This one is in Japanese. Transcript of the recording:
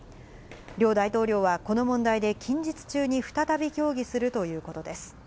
両大統領は、この問題で近日中に再び協議するということです。